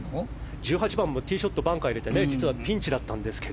１８番もティーショットバンカーに入れて実はピンチだったんですが。